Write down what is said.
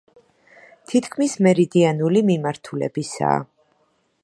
თითქმის მერიდიანული მიმართულებისაა.